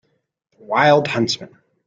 The wild huntsman.